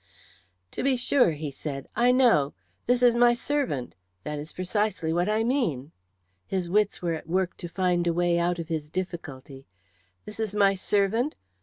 "To be sure," said he, "I know. This is my servant. That is precisely what I mean." His wits were at work to find a way out of his difficulty. "This is my servant?